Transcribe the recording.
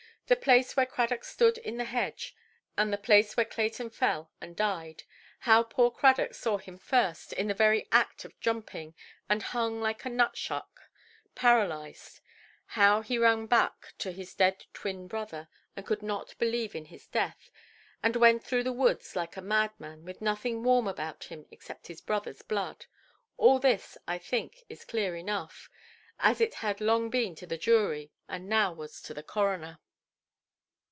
The place where Cradock stood in the hedge, and the place where Clayton fell and died; how poor Cradock saw him first, in the very act of jumping, and hung like a nut–shuck, paralysed; how he ran back to his dead twin–brother and could not believe in his death, and went through the woods like a madman, with nothing warm about him except his brotherʼs blood,—all this, I think, is clear enough, as it had long been to the jury, and now was to the coroner.